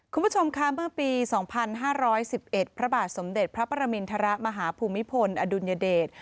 คุณผู้ชมค่ะเมื่อปี๒๕๑๑พระบาทสมเด็จพระประมินทรมาฮภูมิพลอดุลยเดช